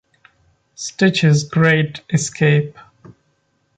Stitch's Great Escape!